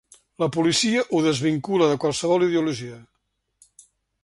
La policia ho desvincula de qualsevol ideologia.